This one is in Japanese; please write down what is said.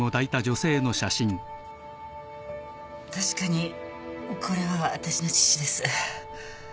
確かにこれは私の父です。